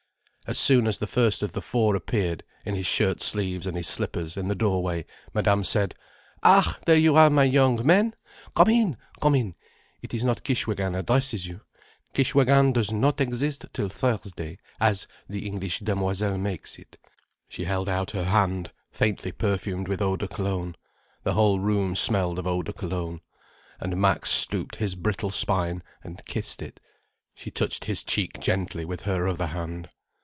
As soon as the first of the four appeared, in his shirt sleeves and his slippers, in the doorway, Madame said: "Ah, there you are, my young men! Come in! Come in! It is not Kishwégin addresses you. Kishwégin does not exist till Thursday, as the English demoiselle makes it." She held out her hand, faintly perfumed with eau de Cologne—the whole room smelled of eau de Cologne—and Max stooped his brittle spine and kissed it. She touched his cheek gently with her other hand.